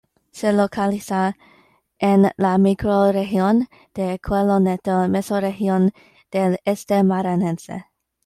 Se localiza en la microrregión de Coelho Neto, mesorregión del Este Maranhense.